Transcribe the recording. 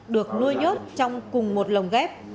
được nuôi nhốt trong cùng một lồng ghép